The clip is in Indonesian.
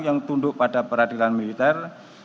yang tunduk pada peradilan militer